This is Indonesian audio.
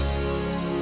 ada di mana